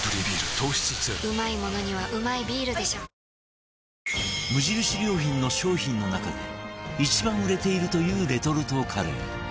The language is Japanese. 糖質ゼロ無印良品の商品の中で一番売れているというレトルトカレー